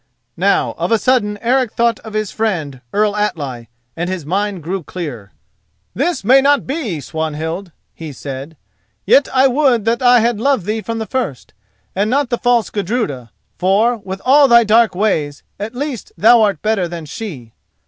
Now of a sudden Eric thought of his friend, Earl Atli, and his mind grew clear. "This may not be, Swanhild," he said. "Yet I would that I had loved thee from the first, and not the false Gudruda: for, with all thy dark ways, at least thou art better than she."